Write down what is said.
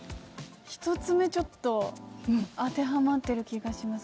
１つ目、ちょっと当てはまってる気がします。